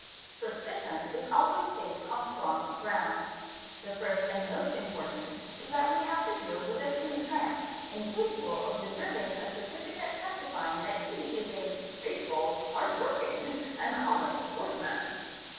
Suspicion is always based on strong grounds. 'The first and most COUNTERFEITING SEALS, ETC. 7838 a important is that we have to deal with a true tramp, incapable of deserving a certificate testifying that he is a "faithful, hardworking, and honest workman'.